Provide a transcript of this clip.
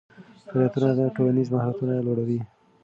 فعالیتونه ټولنیز مهارتونه لوړوي.